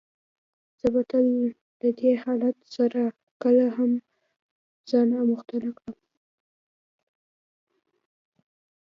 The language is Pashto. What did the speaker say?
زه به له دې حالت سره کله هم ځان آموخته نه کړم.